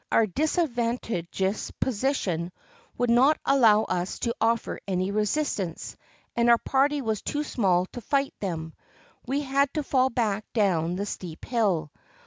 Our disadvantageous position would not allow us to of fer any resistance, and our party was too small to fight them. We had to fall back down the steep hill.